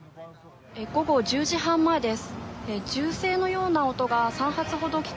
午後１０時半前です。